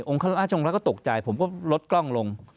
องค์ฮราชองรักษ์ก็ตกใจผมก็ลดกล้องลง